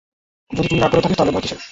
যদি চুরি না করে থাকিস, তাহলে ভয় কীসের।